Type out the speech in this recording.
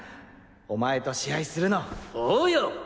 お前と試合するのおうよ！